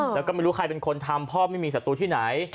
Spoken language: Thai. แล้วก็ไม่รู้ใครเป็นคนทำพ่อไม่มีศัตรูที่ไหน